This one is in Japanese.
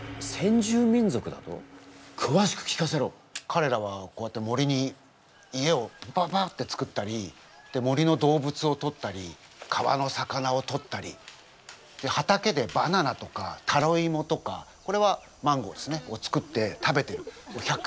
かれらはこうやって森に家をババッてつくったり森の動物をとったり川の魚をとったり畑でバナナとかタロイモとかこれはマンゴーですね。を作って食べてる。